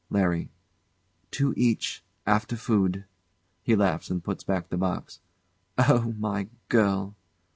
] LARRY. Two each after food. [He laughs and puts back the box] Oh! my girl!